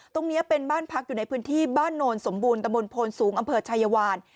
ตรงนี้เป็นบ้านพักอยู่ในพื้นที่บ้านโนนสมบูรณตะบนโพนสูงอำเภอชายวาน